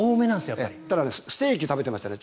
ただ、ステーキ食べてましたね。